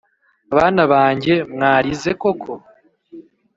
bana bange mwarize koko